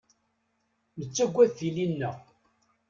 Nettaggad tili-nneɣ.